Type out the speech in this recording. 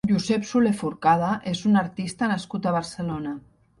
Josep Soler Forcada és un artista nascut a Barcelona.